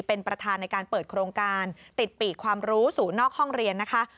เป็นประธานในการเปิดโครงการติดปีกความรู้สู่นอกห้องเรียนนะคะ